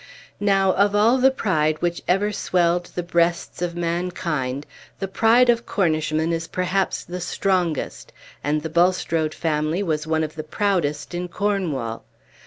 Now, of all the pride which ever swelled the breasts of mankind, the pride of Cornishmen is perhaps the strongest; and the Bulstrode family was one of the proudest in Cornwall.